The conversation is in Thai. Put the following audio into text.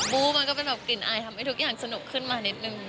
มันก็เป็นแบบกลิ่นอายทำให้ทุกอย่างสนุกขึ้นมานิดนึง